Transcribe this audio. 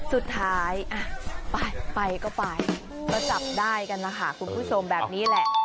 สุดท้ายไปไปก็ไปก็จับได้กันนะคะคุณผู้ชมแบบนี้แหละ